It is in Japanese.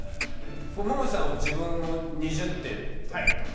ももちさんは自分を２０点と思ったのは？